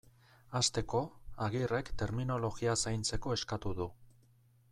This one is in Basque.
Hasteko, Agirrek terminologia zaintzeko eskatu du.